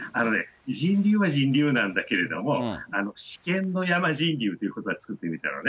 人流は人流なんだけれども、試験のやま人流ということば作ってみたのね。